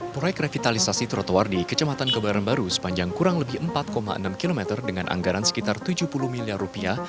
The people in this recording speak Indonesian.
proyek revitalisasi trotoar di kecematan kebaran baru sepanjang kurang lebih empat enam km dengan anggaran sekitar tujuh puluh miliar rupiah